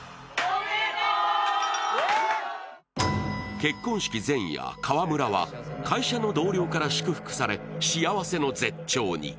結婚式前夜、川村は会社の同僚から祝福され、幸せの絶頂に。